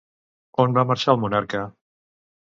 On va marxar el monarca?